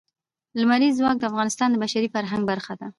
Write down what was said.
لمریز ځواک د افغانستان د بشري فرهنګ برخه ده.